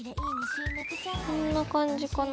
こんな感じかな。